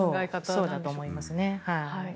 そうだと思いますね。